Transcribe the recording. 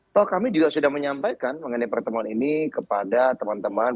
toh kami juga sudah menyampaikan mengenai pertemuan ini kepada teman teman